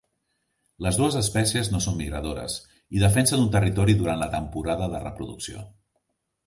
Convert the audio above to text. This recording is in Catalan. Les dues espècies no són migradores i defensen un territori durant la temporada de reproducció.